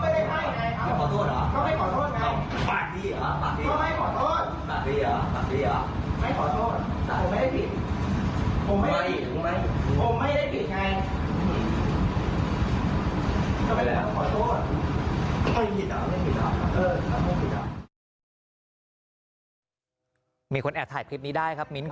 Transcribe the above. ทำไมเค้าขอโทษก็ไม่ได้ผิด